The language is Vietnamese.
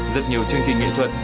rất nhiều chương trình nghệ thuật